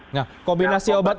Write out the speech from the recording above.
nah kombinasi obat itu